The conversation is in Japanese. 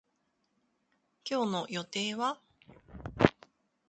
今日の予定は